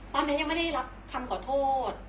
ตอนนี้ยังไม่ได้รับคำขอโทษ